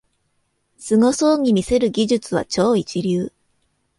すごそうに見せる技術は超一流